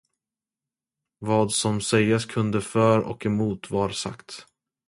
Vad som sägas kunde för och emot var sagt.